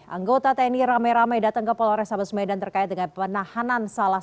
anggota tni rame rame datang ke polores sambesmedan terkait dengan penahanan salah